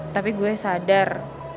tapi gue sadar